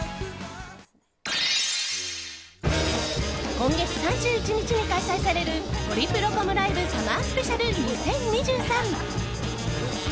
今月３１日に開催されるホリプロコムライブサマースペシャル２０２３。